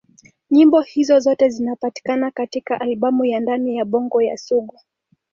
Nyimbo hizo zote zinapatikana katika albamu ya Ndani ya Bongo ya Sugu.